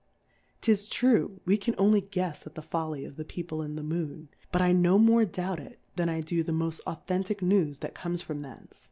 'Tis true, we can only guefs at the Fol ly of the People in the Moon, but I no more doubt it, than I do the moft Au thentick News that comes from thence.